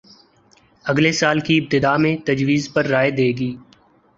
اگلے سال کی ابتدا میں تجویز پر رائے دے گی